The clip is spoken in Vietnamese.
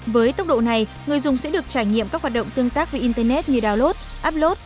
với tốc độ này người dùng sẽ được trải nghiệm các hoạt động tương tác với internet như download upllot